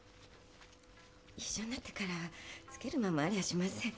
一緒になってからはつける間もありゃしません。